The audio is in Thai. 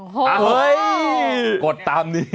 ห้ามดกดตามนี้